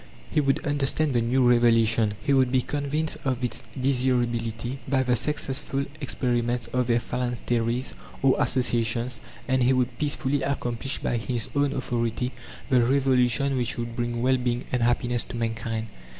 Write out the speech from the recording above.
He would understand the new revelation; he would be convinced of its desirability by the successful experiments of their phalansteries, or associations; and he would peacefully accomplish by his own authority the revolution which would bring well being and happiness to mankind.